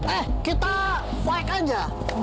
eh kita baik aja